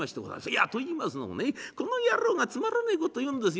いやといいますのもねこの野郎がつまらねえこと言うんですよ。